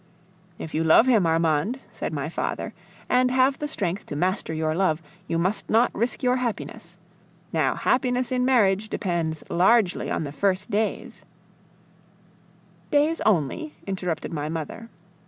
"If you love him, Armande," said my father, "and have the strength to master your love, you must not risk your happiness. Now, happiness in marriage depends largely on the first days " "Days only?" interrupted my mother.